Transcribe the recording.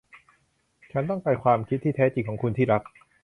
ฉันต้องการรู้ความคิดที่แท้จริงของคุณ ที่รัก